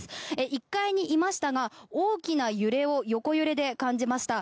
１階にいましたが、大きな揺れを横揺れで感じました。